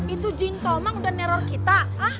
itu jin tomang udah neror kita